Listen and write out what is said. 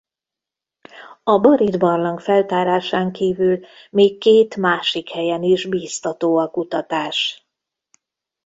A Barit-barlang feltárásán kívül még két másik helyen is biztató a kutatás.